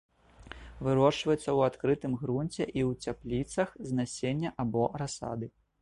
Вырошчваецца ў адкрытым грунце і ў цяпліцах з насення або расады.